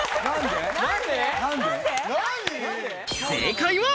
正解は。